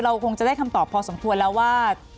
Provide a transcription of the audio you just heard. คงจะได้คำตอบพอสมควรแล้วว่า